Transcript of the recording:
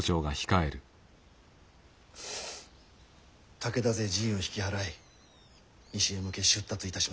武田勢陣を引き払い西へ向け出立いたしました。